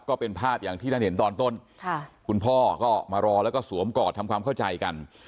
ก็เป็นภาพอย่างที่ท่านเห็นตอนต้นค่ะคุณพ่อก็มารอแล้วก็สวมกอดทำความเข้าใจกัน